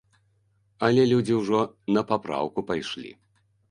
Але людзі ўжо на папраўку пайшлі.